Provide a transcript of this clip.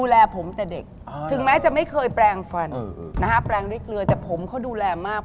แหลมมึงเป็นอะไรวะ